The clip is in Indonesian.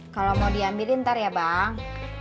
kalau mau diambilin ntar ya bang